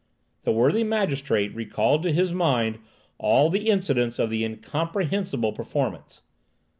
The worthy magistrate recalled to his mind all the incidents of the incomprehensible performance.